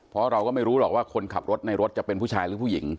เพราะเราก็ไม่รู้หรอกว่าคนขับรถในรถจะเป็นผู้ชายหรือผู้หญิง